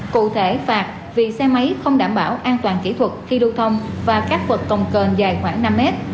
cụ thể phạt vì xe máy không đảm bảo an toàn kỹ thuật khi đu thông và các vật công cờn dài khoảng năm mét